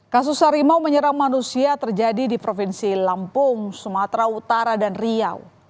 kasus harimau menyerang manusia terjadi di provinsi lampung sumatera utara dan riau